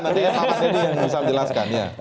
nanti pak mardhani yang bisa menjelaskan